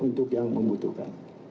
untuk yang membutuhkan